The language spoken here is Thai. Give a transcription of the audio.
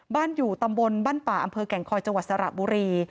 อยู่ตำบลบ้านป่าอำเภอแก่งคอยจังหวัดสระบุรี